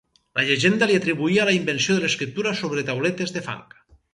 La llegenda li atribuïa la invenció de l'escriptura sobre tauletes de fang.